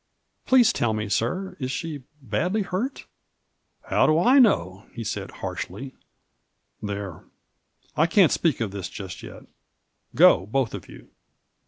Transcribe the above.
Please tell me, sir, is she badly hurt?" " How do I know ?" he said, harshly ; there, I can't speak of liiis just yet : go, both of you."